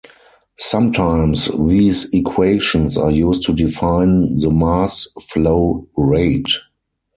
Sometimes these equations are used to define the mass flow rate.